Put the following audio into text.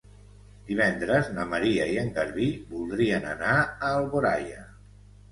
Divendres na Maria i en Garbí voldrien anar a Alboraia.